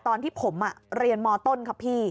ตอนที่ผมเรียนมต้นครับพี่